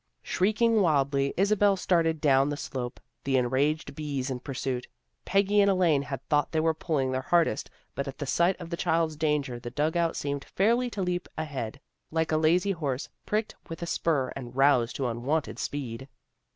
Shrieking wildly, Isabel started down the slope, the enraged bees in pursuit. Peggy and Elaine had thought they were pulling their hardest but at the sight of the child's danger the dug out seemed fairly to leap ahead, like a lazy horse pricked with a spur and roused to unwonted speed.